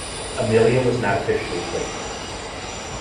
Amelia was not officially platted.